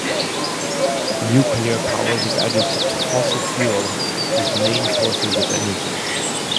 Nuclear power was added to fossil fuel as the main sources of energy.